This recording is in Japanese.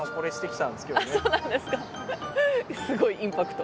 すごいインパクト！